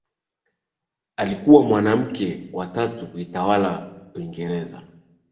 alikuwa mwanamke wa tatu kutawala uingereza